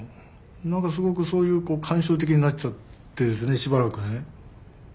なんかすごくそういう感傷的になっちゃってしばらくね。